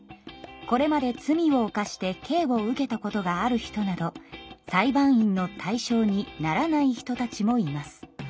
これまで罪を犯して刑を受けたことがある人など裁判員の対象にならない人たちもいます。